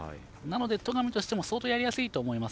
戸上としても相当、やりやすいと思います。